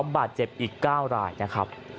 บาดเจ็บอีก๙รายนะครับ